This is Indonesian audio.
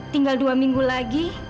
tinggal dua minggu lagi